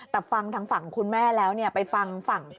แต่ฟังทางฝั่งคุณแม่แล้วไปฟังฝั่ง